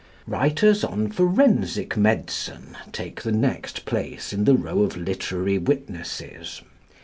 Writers on forensic medicine take the next place in the row of literary witnesses.